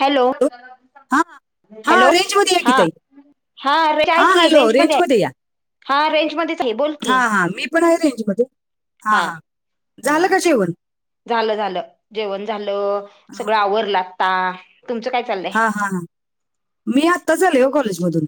Hello. हां हां hello रेंजमध्ये या की हा, ताई हा रेंज आहे हां की, हॅलो रेंज मध्ये हाय. रेंजमध्ये हा रेंजमध्येच आहे, बोल. हा, हा मी पण आहे रेंज मध्ये. हा, हा झालं हा का जेवण? झालं, झालं जेवण झालं, हां सगळं आवरल आता, तुमचं काय चाललंय हा, हा, हा मी आत्ताच आले वो कॉलेजमधून,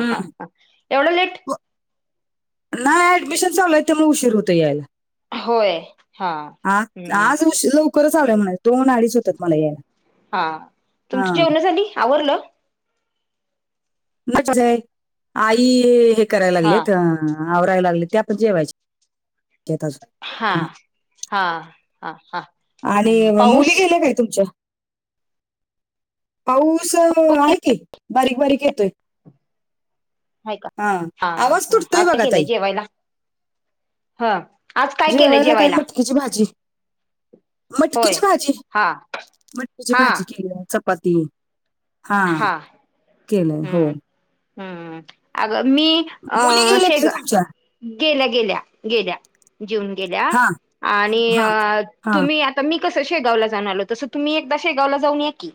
हम्म. एवढा लेट? नाही ऍडमिशन चालू हाय त्यामुळं उशीर होतोय यायला, होय हा आ, हम्म आज हु लवकरच आलीया म्हणायचं. दोन -अडीच होतात मला यायला हा, तुमची हां जेवण झाली? आवरलं? नाही कसंय, आई हे करायला हा लागलेत आवरायला लागलेत त्या पण जेवायचे. [unintelligible] हा, हा. [unintelligible] आणि म पाऊस मुली गेल्या नाहीत तुमच्या? पाऊस आहे की, बारीक-बारीक येतोय. आहे का हा, आवाज हा तुटतोय आज काय बघा केलंय ताई. जेवायला ह आज काय केलंय जेवायला काय मटकीची भाजी. होय मटकीची भाजी, हा मटकीची हा भाजी केलीया चपाती. हा, केलंय हो हम्, हम अग मी मुली अह, गेल्या काय शेगा. तुमच्या गेल्या, गेल्या, गेल्या जेऊन गेल्या हा आणि हा हा तुम्ही आ तर मी कसं शेगावला जाऊन आलो, तसं तुम्ही एकदा शेगावला जाऊन या की.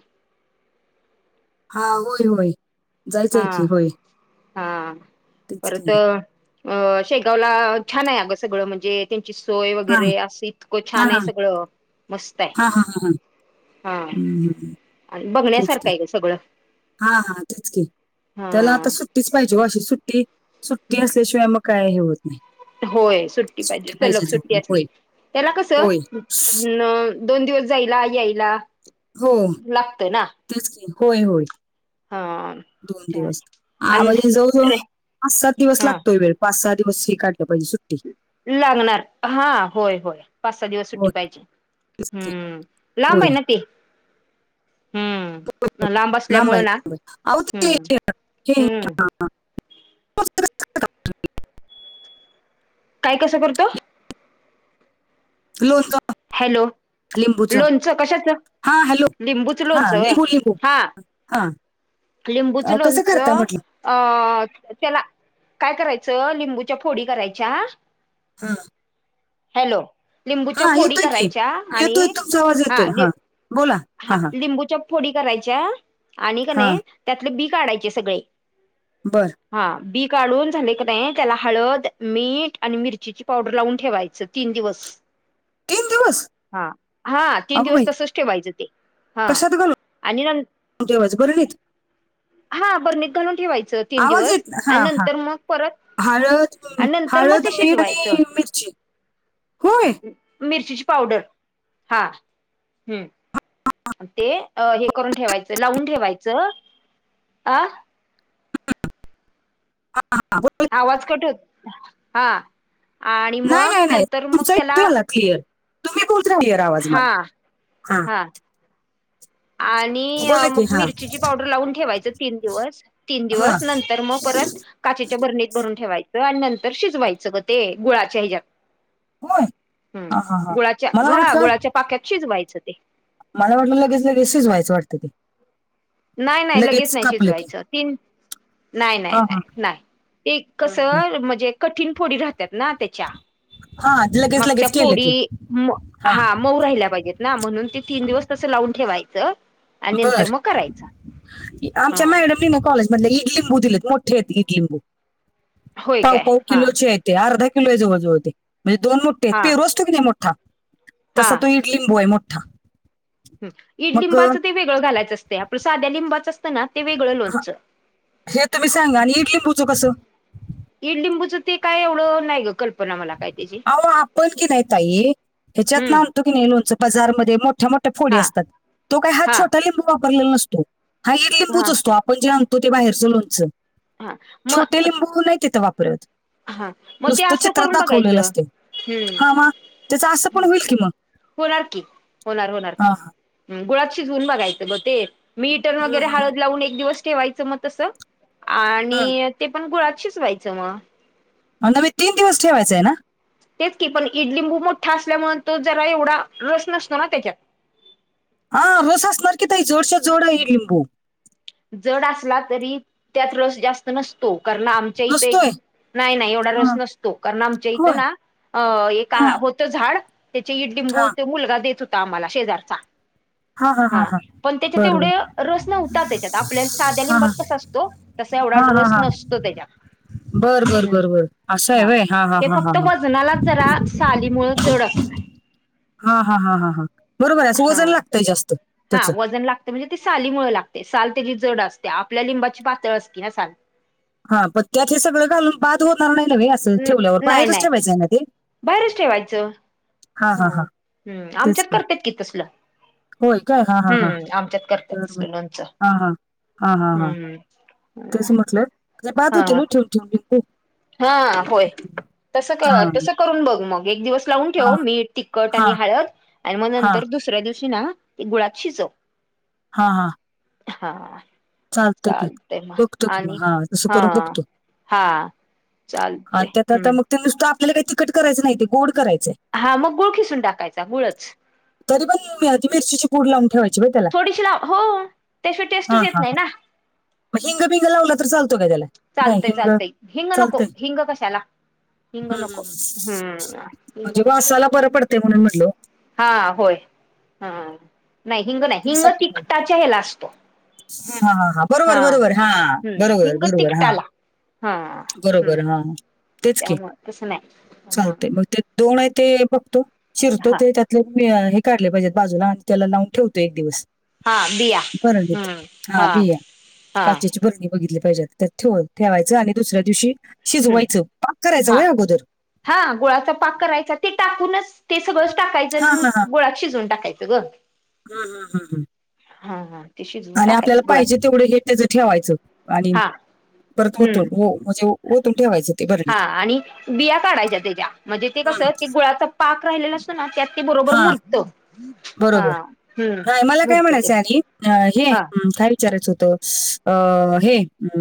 हा, होय होय. हा, जायचंय की होय हा तेच परत की अ, शेगावला छान आहे अगं, सगळं म्हणजे त्यांची सोय हा वगैरे असं इतकं हा छान आहे हा सगळं, मस्त हाय. हा, हा, हा, हां. हा, आणि तेच की बघण्यासारखं हाय गं सगळं. हा, हा तेचकी त्याला आता सुट्टीच पाहिजे ओ अशी सुट्टी, सुट्टी हा असल्याशिवाय मग काय हे होत नाही. होय सुट्टी पाहिजे सलग सुट्टी आसली त्याला होय कसं न दोन दिवस जायला यायला होय लागतोय ना तेच की होय होय. हा दोन दिवस आ आणि म्हणजे जवळ जवळ ट्रे पाच सात दिवस हा लागतोय वेळ. पाच सहा दिवस हे काढलं पाहिजे सुट्टी. वेळ लागणार हा होय होय. पाच सहा दिवस सुट्टी होय पाहिजे तेच की. हम्म लांब होय आहे ना ते. होय होय हम्म लांब हाय असल्यामुळे ना लांब हे आओ ते हम्म हे हम्म [unintelligible] [unintelligible] काय कसं करतो? लोनग हॅलो! लोणचं कशाचं? हा हॅलो लिंबूचं हा लोणचं व्हय लिंबू लिंबू हा हा लिंबूचं अं, कसं करता लोणचं म्हटलं अ त्याला काय करायचं लिंबूच्या फोडी करायच्या, हा हॅलो! लिंबूच्या हा फोडी येतोय की करायच्या आणि येतोय तुमचा आवाज येतोय हा लि बोला हा लिंबूच्या फोडी करायच्या आणि हा कनी त्यातले बी काढायचे सगळे. बरं. हा बी काढून झाले का नाही त्याला हाळद, मीठ आणि मिरचीची पावडर लावून ठेवायचं तीन दिवस. [inaudible] हा हा तीन अगो बाई दिवस तसचं ठेवायच. कशात घालून ठेवायचं बरणीत? हा बरणीत घालून ठेवायचं तीन दिवस आणि नंतर मग परत हाळद, आणि नंतर मग हाळद, ते मीठ शिजवायचं आणि मिरची होय. मिरचीची पावडर हा हम्म. आण ते अ हे करून ठेवायचं लावून ठेवायचं. आ हा हा [unintelligible] आवाज कट होत हा आणि नाही मग नाही नाही नंतर मग तुमचा येतोय त्याला मला क्लिअर तुम्ही [unintelligible] क्लिअर आवाज हा मला हा. आणि बोला की मग हा मिरचीची पावडर लावून ठेवायचं तीन दिवस तीन हा दिवस नंतर मग परत काचेच्या बरणीत भरून ठेवायचं आणि नंतर शिजवायचं ग ते गुळाच्या हेच्यात - होय हा हा हम्म हा गुळाच्या मला घा वाटलं गुळाच्या पाक्यात शिजवायचं ते. मला वाटलं लगेच लगेच शिजवायच वाटतं ते. नाही नाही लगेच नाही कापलं की शिजवायचं तीन नाही हा नाही हा नाही नाही ते हम्म. कसं म्हजे कठीण फोडी राहत्यात ना तेच्या हा लगेच मागच्या लगेच केलं की फोडी हा मऊ राहिल्या पाहिजेत ना म्हणून ते तीन दिवस तस लावून ठेवायचं आणि नंतर बर मग कराय आमच्या मॅडमनी ना कॉलेजमधल्या इडलिंबू दिलेत मोठे हेत इडलिंबू. होय पाव काय पाव हा किलोचे आहेे ते आर्धा किलो आहे जवळजवळ ते म्हणजे दोन मोठे आहेत हा पेरू अस तो की नाही मोठा हा तसा तो इडलिंबू आहे मोठा. हम्म मग अं, इडलिंबाचं ते वेगळं घालायचं असते आपण साध्या लिंबाचं असते ना ते वेगळं हा, लोणचं. हे तुम्ही सांगा आणि ईड लिंबूचं कसं ईडलिंबूचं ते काय एवढं नाही ग कल्पना मला. काय त्याची आओ आपण की नाही ताई ह्याच्यातन हम्म आणतो, की नाही लोणचं बजारमध्ये मोठ्या मो ठ्या फोडी हा असतात, तो काय हा छोटा लिंबू वापरलेला नसतो हा इडलिंबूच हा असतो हा आपण जे आण तो ते बाहेरच लोणचं हा. छोटे मग लिंबू नाही तिथं वापरत. हा मग ते नुसतं असं चित्रात करून दाखवलेलं बघायचं. असते हा हम्म मा त्याच असं पण होईल की मग होणार की होणार होणार हा की गुळाात शिजवून बघायचं ब ते मीठ अन वगैरे हळद लावून एक दिवस ठेवायचं मग तसं हा आणि ते पण गुळात शिजवायचं मग हो न बाई तीन दिवस ठेवायचं आहे ना? तेच की पण ईडलिंबू मोठा असल्यामुळ तो जरा एवढा रस नसतो ना त्याच्यात. हा रस असणार की ताई जोडशा जोड आहे ईडलिंबू. जड असला तरी त्यात रस जास्त नसतो कारण आम चैतेक नसतोय नाही नाही एवढा रस हा, नसतो कारण आमच्या इथं होय ना एक आ हं, हो झाड त्याचे हा ईडलिंबू ते मुलगा देत होता आम्हाला शेजारचा. हा पण त्याच्या बरोबर एवढे रस नव्हता त्याच्यात. आपल्याल साध्या हा हा लिंबात कसा असतो, तसा एवढा रस नसतो त्याच्यात. बरं बर हम्म बरं बरं असं आहे वय हा हा हा हा वजनाला जरा सालीमुळे जड असते. हा हा हा हा बरोबर आहे असं हा वजन लागतंय जास्त. हा त्याचं वजन लागते म्हणजे ती सालीमुळे लागते साल त्याची जड असते आपल्या लिंबाची पातळ असती ना साल. हा पण त्यात हे सगळं घालून बाद होणार नाही वे असं न- ठेवल्यावर नाही बाहेरच नाही ठेवायचं आहे ना ते? बाहेरच ठेवायचं. हा हम्म आमच्यात करत्यात की तसलं. होय काय हा हा हा हम्म आमच्यात करत्यात बरोबर तसलं लोणच हा हम्म तेसं म्हटलं जर बाद हा होतील न ठेवून ठेवून लिंबू. हा होय, तस क हा तस करून बघ मग एक दिवस लावून ठेव हा मीठ, तिखट हा आणि हळद आणि मग हा नंतर दुसऱ्या दिवशी ना ते गुळात शिजव. हा हा हा चालतं की चालतय मग बघतो कि आणि मग हा तसं करून बघतो. हा चालतय आणि त्यात आता हम्म मग ते नुसतं आपल्याला काही तिखट करायचं नाही, ते गोड करायचंय. हा मग गूळ खीसून टाकायचा गूळच तरी पण मी मिरचीची पूड लावून ठेवायची वे त्याला थोडीशी लाव हो त्याशिवाय हा टेस्टच येत हा नाही हा ना मग हिंग बिंग लावला तर चालतो काय त्याला? नाही चालतय हिंग चालतय हिंग नको चालतय. हिंग कशाला हिंग हम्म हम्म नको हम्म हम्म हिंग म्हणजे नको वासाला बरं पडतंय म्हणून म्हणल ओ. हा होय हम्म नाही हिंग नाही हिंग साठी तिखटाच्या ह्याला अस हा हा हा बरोबर बरोबर हा हम्म बरोबर हिंग बरोबर हा तिकटाला हा हम्म बरोबर हा तेच की त्यामुळ तसं नाही चालतय मग ते दोन आहे ते बघतो शिरतो हा ते त्यातले. मी हे काढले पाहिजेत बाजूला आणि त्याला लावून ठेवतो एक दिवस. हा बिया बरणीत हा बीया हा काचेची बरणी. बघितली पाहिजे आता त्यात ठेवल ठेवायचं आणि दुसऱ्या दिवशी हम्म शिजवायचं पाक करायचं हा वय अगोदर? हा गोळाचा पाक करायचा ते टाकूनच ते सगळंच हा टाकायचं. गुळात शिजून टाकायचं ग हम हम हम हम्म हा, हा... ते शिजवून आणि आपल्याला टाकायचं गुळात पाहिजे तेवढं हे त्याचं ठेवायचं, आणि हा परत होत, हम्म हो. म्हणजे ओ ओतुन ठेवायचं. ते हा भरलीत आणि बिया काढायच्या त्याच्या, म्हणजे ते हम्म. कसं ते गुळाचा पाक राहिलेला असतो ना त्यात बरोबर हा मुरंत. बरोबर, मला काय मुरत ते म्हणायचं आधी अं हे हा काही विचारायचं होत अ हे अ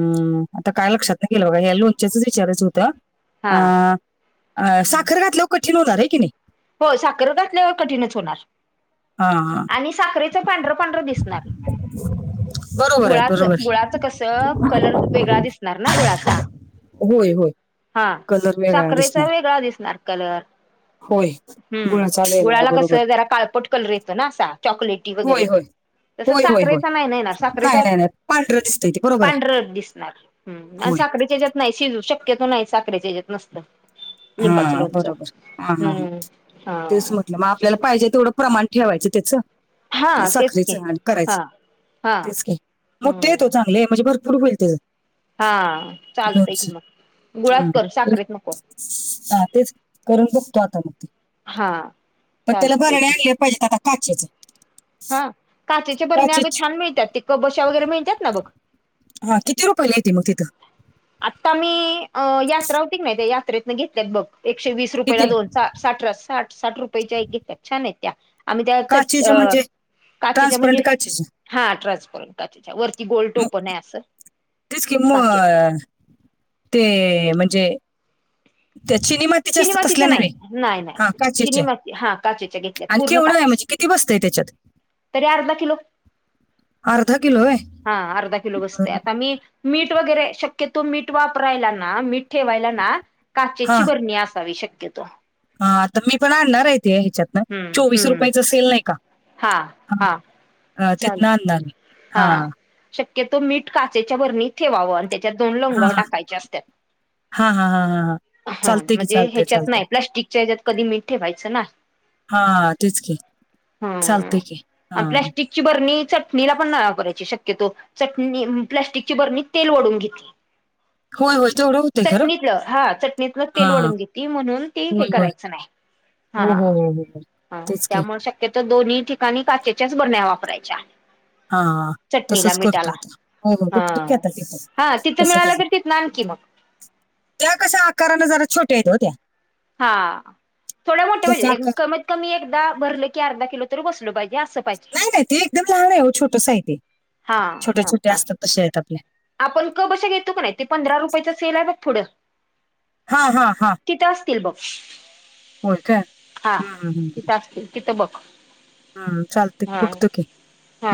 आता काय लक्षात नाही गेलं बघा या लोच्याचच विचारच होतं. हा अ अ साखर घातल्यावर कठीण होणार ये की नाही होय साखर घातल्यावर कठीणच होणार. हा हा. आणि साखरेच पांढर- पांढर दिसणार. बरोबर आहे गुळाचं- बरोबर आहे गुळाचं कसं कलर वेगळा दिसणार ना गुळाचा. होय, होय... हा कलर वेगळा साखरेचा दिसणार वेगळा दिसणार कलर होय, हम्, गुळाचा वेगळा गुळाला कस बरोबर जरा काळपट कलर येतो ना असा चॉकलेटी. होय, वगैरे. होय..... तसं होय, होय, होय साखरेचा नाही ना येणार नाही, साखरेचा नाही, नाही पांढरं दिसतंय ते बरोबर आहे. हं म नाही होय साखरेच्या येज्यात नाही शिजू शक्यतो नाही, साखरेच्या हेज्यात नसतं. हा लिंबाचं लोणचं. बरोबर हा हा ह हम्म हा तेच म्हटलं म आपल्याला पाहिजे तेवढं प्रमाण ठेवायचं त्याच हे हा तेच की साखरेचं आण् करायचं हा हा तेच की मोठी हम्म. होत्याच साख अ [unintelligible] म्हणजे भरपूर मिळते. हा चालतंय की मग, गुळात हा. कर तेच- साखरेत नको. हा तेच करून बघतो आता मग ते हा पण त्याला चालतंय भरणे की [unintelligible] आ पाहिजेत आता काचेचं. हा काचेच्या बरण्या अगं छान मिळतात, ते कबश्या वगैरे मिळतात ना बघ हा किती रुपयला येते मग तिथं? आत्ता मी अ यात्रा हुति का नाही, त्या यात्रेतन घेतल्यात बघ एकशे वीस रुपया ला कितीला दोन. साठरा साठ साठ रुपयेच्या एक घेत्या छान आहेत त्या आम्ही त्या चट काचेचे अ म्हणजे काचेच्या ट्रान्सपरंट म्हणजे काचेचे हा ट्रान्स्फरट काचेच्या वरती गोल मग टोपण आहे असं. तेच कि काचेचं मं ते म्हणजे त्या चीनी माती चिनी मातीच्या नाही, नाही, नाही चिनी माती हा काचेच्या घेतल्या आणि पूर्ण केवढं आहे काच म्हणजे किती बसतंय त्याच्यात तरी अर्धा किलो, अर्धा किलो आहे हा अर्धा किलो बसते आता मी मीठ वगैरे शक्यतो मीठ वापरायला ना, मीठ ठेवायला ना काचेची बरणी असावी शक्यतो. हा आता मी पण आणणार आहे ते ह्याच्यात हम्म चोवीस हम्म रुपयाचं सेल नाही का हा ह हा चाल त्यातनं आणलं आम्ही, हा शक्यतो मीठ काचेच्या भरणीत ठेवावं आणि त्याच्यात दोन हा लवगा हा टाकायचे असत्यात. हा, हा, हा, हा हा चालतंय की म्हणजे चालतंय ह्याच्यात चालतंय नाही, प्लास्टिकच्या ह्याच्यात कधी मीठ ठेवायचं नाही. हा तेच की' ह चालतंय की हा अन् प्लॅस्टिकची बरणी चटणीला पण नाय वापरायची शक्यतो. चटणी प्लॅस्टिकची बरणी तेल वढवून घेतील. होय होय तेवढं हुतय चटणीतलं हा चटणीतलं तेल वढून घेती म्हणून ती हे होय होय करायचं नाही हो हो हो हो हो ह तेच की त्यामुळे शक्यतो दोन्ही ठिकाणी काचेच्याच बरण्या वापरायच्या हा चटणीला तसच करतो मिठाला आता पहीला हा बघतो की आता तेचं हा तिथं कसं मिळालं कसं तर तिथनं आणखी मग तेव्हा कशा आकाराने जरा छोट्या येत होत्या हा थोड्या मोठ्या पाहीजे आकार कमीत कमी एकदा भरलं की अर्धा किलो तरी बसलं पाहिजे असं पाहिजे नाही नाही ते एकदम लहान आहे छोटस आहे ते हा छोट्या हा छोट्या हा असतात तश्या आहेत आपल्या आपण कप बशा घेतो का नाही ते पंधरा रुपयाचं सेल आहे बघ पुढं हा हा हा तिथं असतील बघ होय काय हा हम्म, तिथं असतील तिथं बघ हा चालतय हा बघतो की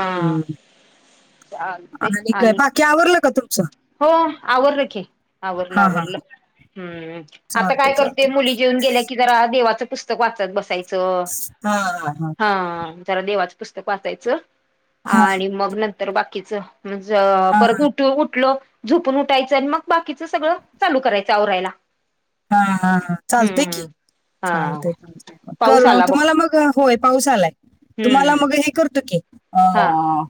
हा हा हा आणि काय बाकी आवरलं का तुमचं? हो आवरलं की आवरलं हा हा आवरलं हम्म आता चालतंय काय करते चालतंय मुली जेवून गेल्या की जरा देवाचं पुस्तक वाचत बसायचं तोवर हा हा जरा देवाचं पुस्तक वाचायचं हा हा आणि मग नंतर बाकीचं म्हणजे हा हा परत उठ उठलो झोपून उठायचं आणि मग बाकीच सगळं चालू करायचं आवरायला हा हा चालतय की हम्म हा चालतय चालतय पाऊस कर आला बघ तुम्हाला मग होय पाऊस आलाय तुम्हाला हम्म मग हे करतो की अ हा अ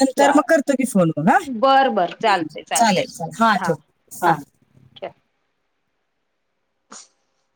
नंतर चा मग करतो फोन पण हा बर बर चालेल चालतय चालतय चालेल हा ठेव हा चालेल ठेव [unintelligible]